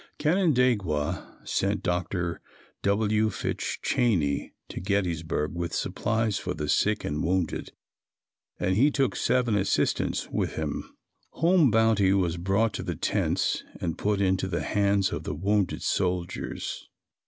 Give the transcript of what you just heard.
Canandaigua sent Dr. W. Fitch Cheney to Gettysburg with supplies for the sick and wounded and he took seven assistants with him. Home bounty was brought to the tents and put into the hands of the wounded soldiers.